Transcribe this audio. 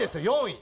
４位。